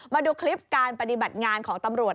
มาดูคลิปการปฏิบัติงานของตำรวจ